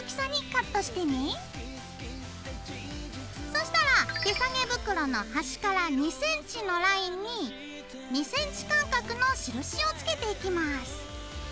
そうしたら手さげ袋の端から２ｃｍのラインに２ｃｍ間隔の印をつけていきます。